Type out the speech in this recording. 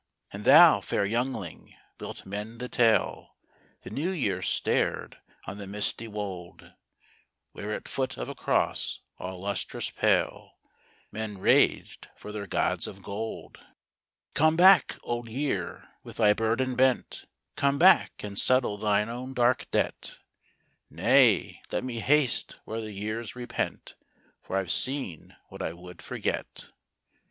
And thou, fair youngling, wilt mend the tale? " The New Year stared on the misty wold, Where at foot of a cross all lustrous pale Men raged for their gods of gold. " Come back, Old Year, with thy burden bent. Come back and settle thine own dark debt." " Nay, let me haste where the years repent, For I ve seen what I would forget."